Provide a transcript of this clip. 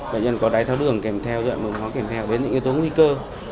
bệnh nhân có đáy tháo đường kèm theo dẫn mũi hóa kèm theo đến những yếu tố nguy cơ